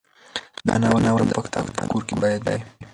دا ناول د هر پښتانه په کور کې باید وي.